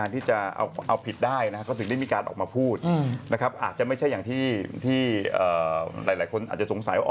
ที่หลายคนสงสัย